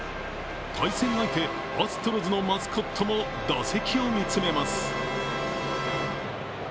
対戦相手アストロズのマスコットも打席を見つめます。